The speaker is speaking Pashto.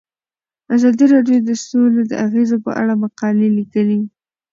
ازادي راډیو د سوله د اغیزو په اړه مقالو لیکلي.